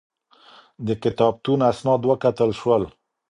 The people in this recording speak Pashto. د کتابتون اسناد وکتل شول.